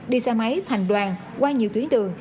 đi xe máy thành đoàn qua nhiều tuyến đường